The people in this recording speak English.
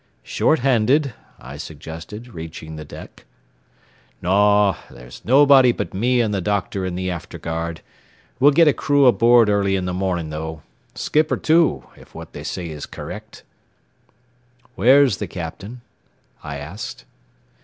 "Short handed?" I suggested, reaching the deck. "Naw, there's nobody but me an' the doctor in the after guard; we'll get a crew aboard early in the morning, though; skipper, too, if what they say is kerrect." "Where's the captain?" I asked.